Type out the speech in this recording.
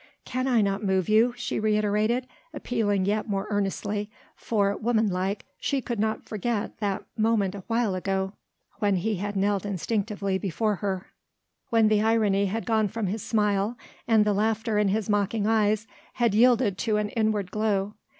"Can I not move you," she reiterated, appealing yet more earnestly, for, womanlike, she could not forget that moment awhile ago, when he had knelt instinctively before her, when the irony had gone from his smile, and the laughter in his mocking eyes had yielded to an inward glow.